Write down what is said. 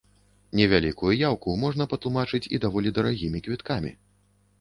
Невялікую яўку можна патлумачыць і даволі дарагімі квіткамі.